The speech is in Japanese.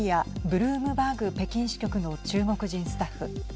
ブルームバーグ北京支局の中国人スタッフ。